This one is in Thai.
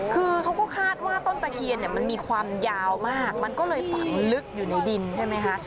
คือเขาก็คาดว่าต้นตะเคียนเนี่ยมันมีความยาวมากมันก็เลยฝังลึกอยู่ในดินใช่ไหมคะ